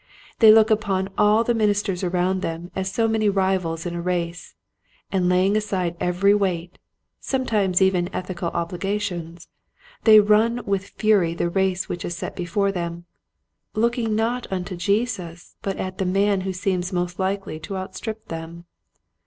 They look upon all the minis ters around them as so many rivals in a race, and laying aside every weight — sometimes even ethical obligations — they run with fury the race which is set before them, looking not unto Jesus but at the man who seems most likely to outstrip them.